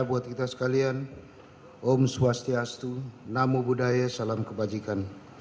om swastiastu namo buddhaya salam kebajikan